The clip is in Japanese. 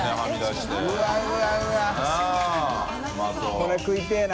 これ食いてぇな。